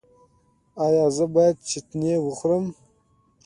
ایا زه باید چتني وخورم؟